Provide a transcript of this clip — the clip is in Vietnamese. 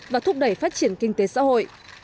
và thúc đẩy phát triển kinh tế xã hội